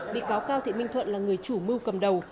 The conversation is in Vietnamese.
bị cáo cao thị minh thuận là người chủ mưu cầm đầu